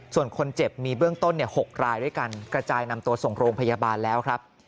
ส่วนคนเจ็บมีเบื้องต้น๖รายด้วยกันกระจายนำตัวส่งโรงพยาบาลแล้วครับ